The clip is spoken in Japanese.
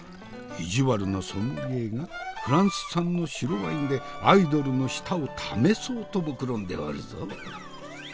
意地悪なソムリエがフランス産の白ワインでアイドルの舌を試そうともくろんでおるぞ。